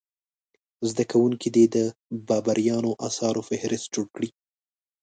زده کوونکي دې د بابریانو اثارو فهرست جوړ کړي.